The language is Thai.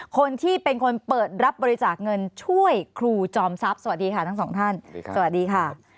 คนที่เป็นคนเปิดรับบริจาคเงินช่วยครูจอมทรัพย์สวัสดีค่ะทั้งสองท่านสวัสดีค่ะ